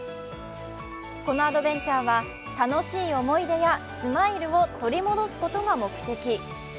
このアドベンチャーは楽しい思い出やスマイルを取り戻すことが目的。